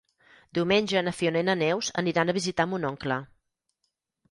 Diumenge na Fiona i na Neus aniran a visitar mon oncle.